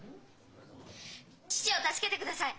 父を助けてください！